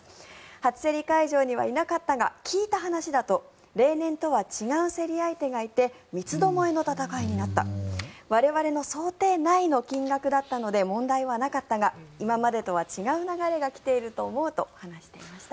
初競り会場にはいなかったが聞いた話だと例年とは違う競り相手がいて三つどもえの戦いになった我々の想定内の金額だったので問題はなかったが今までとは違う流れが来ていると思うと話していました。